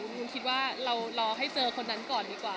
มุมคิดว่าเรารอให้เจอคนนั้นก่อนดีกว่า